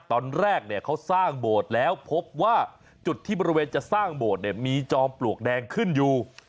ตอนแรกเนี่ยเขาสร้างโบสถ์แล้วพบว่าจุดที่บริเวณจะสร้างโบสถ์เนี่ยมีจอมปลวกแดงขึ้นอยู่